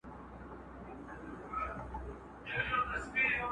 یو ناڅاپه یې ور پام سو کښتی وان ته،